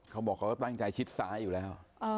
เขาบอกเขาก็ตั้งใจชิดซ้ายอยู่แล้ว